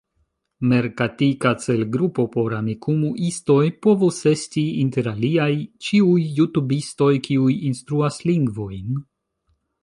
Merkatika celgrupo por Amikumu-istoj povus esti, inter aliaj, ĉiuj jutubistoj kiuj instruas lingvojn.